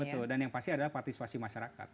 betul dan yang pasti adalah partisipasi masyarakat